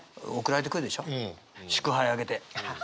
祝杯挙げて。